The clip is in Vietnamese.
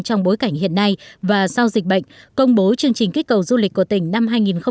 trong bối cảnh hiện nay và sau dịch bệnh công bố chương trình kích cầu du lịch của tỉnh năm hai nghìn hai mươi